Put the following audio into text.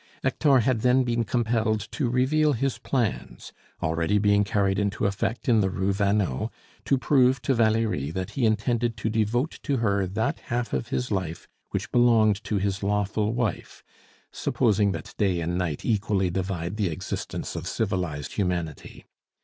Hector had then been compelled to reveal his plans, already being carried into effect in the Rue Vanneau, to prove to Valerie that he intended to devote to her that half of his life which belonged to his lawful wife, supposing that day and night equally divide the existence of civilized humanity.